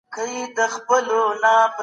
د انګلیسي ټایپنګ هم مه هیروئ.